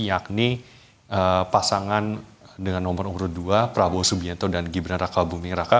yakni pasangan dengan nomor urut dua prabowo subianto dan gibran raka buming raka